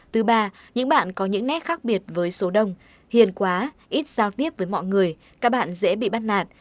thứ ba những bạn có những nét khác biệt với số đông hiền quá ít giao tiếp với mọi người các bạn dễ bị bắt nạt